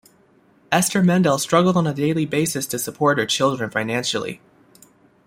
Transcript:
Esther Mendel struggled on a daily basis to support her children financially.